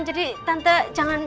jadi tante jangan